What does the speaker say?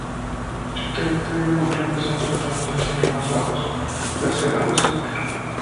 Su territorio comprende zonas montañosas y los más bajos, la selva amazónica.